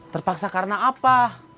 terpaksa karena apa